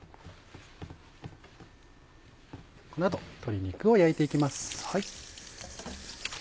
この後鶏肉を焼いて行きます。